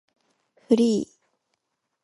フリー